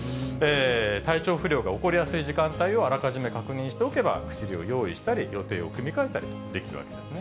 体調不良が起こりやすい時間帯をあらかじめ確認しておけば、薬を用意したり、予定を組み替えたりできるわけですね。